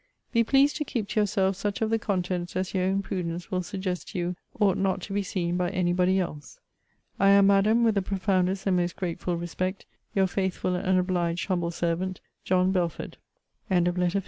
Be pleased to keep to yourself such of the contents as your own prudence will suggest to you ought not to be seen by any body else. I am, Madam, with the profoundest and most grateful respect, Your faithful and obliged humble servant, JOHN BELFORD. LETTER LI LORD M.